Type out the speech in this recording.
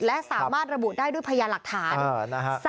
และสามารถระบุได้ด้วยพยานหลักฐาน